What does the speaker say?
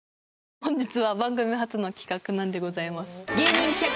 本日は番組初の企画なんでございます。